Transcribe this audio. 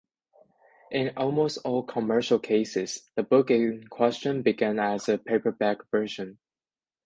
In almost all commercial cases, the book in question began as a paperback version.